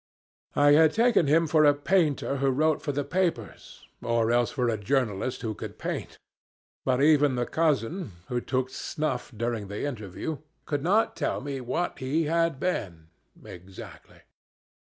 I had taken him for a painter who wrote for the papers, or else for a journalist who could paint but even the cousin (who took snuff during the interview) could not tell me what he had been exactly.